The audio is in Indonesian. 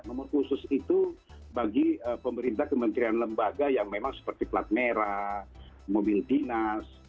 nomor khusus itu bagi pemerintah kementerian lembaga yang memang seperti plat merah mobil dinas